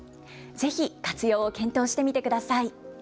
ぜひ活用を検討してみてください。